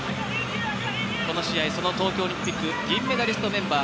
この試合東京オリンピック銀メダリストメンバー